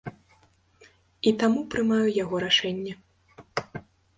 І таму прымаю яго рашэнне.